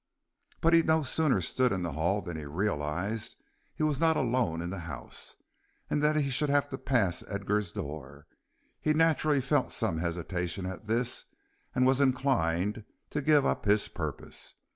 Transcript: But he no sooner stood in the hall than he realized he was not alone in the house, and that he should have to pass Edgar's door. He naturally felt some hesitation at this and was inclined to give up his purpose.